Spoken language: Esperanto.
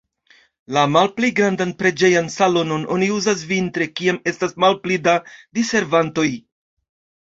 La malpli grandan preĝejan salonon oni uzas vintre, kiam estas malpli da diservantoj.